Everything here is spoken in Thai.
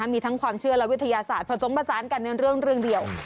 มีทั้งความเชื่อและวิทยาศาสตร์ผสมผสานกันในเรื่องเดียว